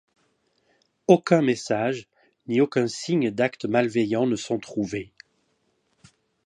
Aucun message, ni aucun signe d'acte malveillant ne sont trouvés.